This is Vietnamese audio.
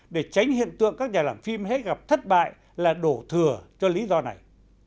để tránh hiện tượng các nhà làm phim hết gặp thất bại là đổ thừa cho lý do này